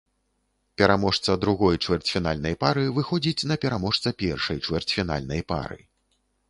Пераможца другой чвэрцьфінальнай пары выходзіць на пераможца першай чвэрцьфінальнай пары.